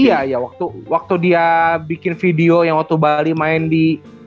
iya iya waktu dia bikin video yang waktu bali main di